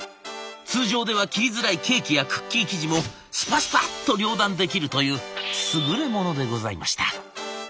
通常では切りづらいケーキやクッキー生地もスパスパッと両断できるというすぐれものでございました。